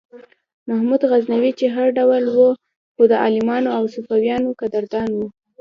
محمود غزنوي چې هر ډول و خو د عالمانو او صوفیانو قدردان و.